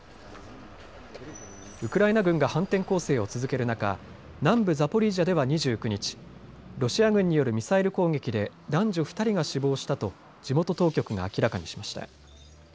ウクライナ軍が反転攻勢を続ける中、南部ザポリージャでは２９日、ロシア軍によるミサイル攻撃で男女２人が死亡したと地元当局が明らかにしました。